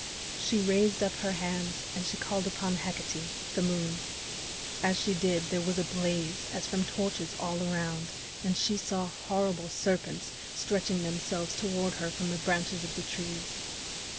She raised up her hands and she called upon Hecate, the Moon. As she did, there was a blaze as from torches all around, and she saw horrible serpents stretching themselves toward her from the branches of the trees.